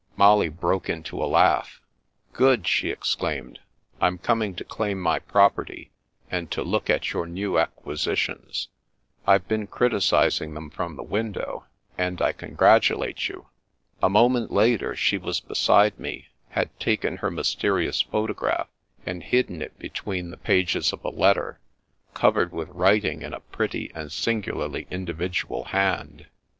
Molly broke into a laugh. " Good !" she ex claimed. " I'm coming to claim my property, and to look at your new acquisitions. I've been criticis ing them from the window, and I congratulate jrou." A moment later she was beside me, had taken her mysterious photograph, and hidden it between the pages of a letter, covered with writing in a pretty and singularly individual hand.